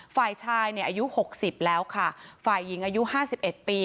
ฝ่ายชายเนี่ยอายุ๖๐แล้วค่ะฝ่ายหญิงอายุห้าสิบเอ็ดปี